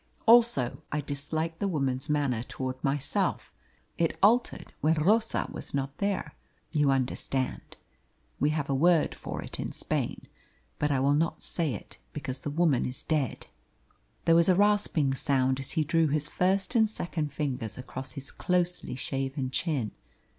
Also I disliked the woman's manner towards myself; it altered when Rosa was not there, you understand. We have a word for it in Spain, but I will not say it because the woman is dead." There was a rasping sound as he drew his first and second fingers across his closely shaven chin.